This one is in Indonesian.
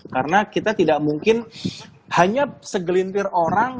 karena kita tidak mungkin hanya segelintir orang